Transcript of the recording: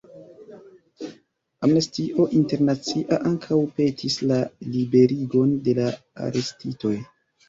Amnestio Internacia ankaŭ petis la liberigon de la arestitoj.